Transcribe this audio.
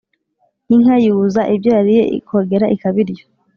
inka yuza ibyo yariye ikogera ikabirya